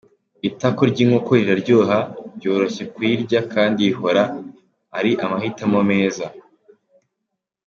Itako ry’inkoko riraryoha, ryoroshye kurirya kandi rihora ari amahitamo meza.